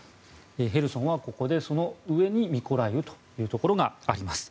ヘルソンはここでその上にミコライウというところがあります。